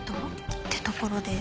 ってところで。